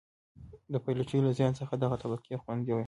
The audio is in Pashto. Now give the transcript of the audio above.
د پایلوچۍ له زیان څخه دغه طبقه خوندي وه.